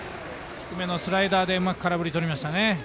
低めのスライダーでうまく空振りとりましたね。